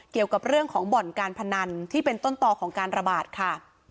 เกี่ยวกับเรื่องของบ่อนการพนันที่เป็นต้นต่อของการระบาดค่ะ